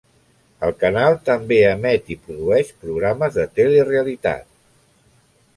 El canal també emet i produeix programes de telerealitat.